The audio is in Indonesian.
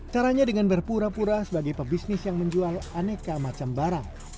caranya dengan berpura pura sebagai pebisnis yang menjual aneka macam barang